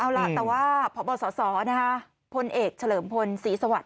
เอาล่ะแต่ว่าพบสสพพลเอกเฉลิมพลศรีสวัสด